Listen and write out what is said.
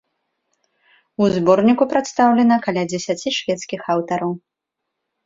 У зборніку прадстаўлена каля дзесяці шведскіх аўтараў.